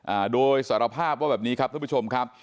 อ่าโดยสารภาพว่าแบบนี้ครับท่านผู้ชมครับ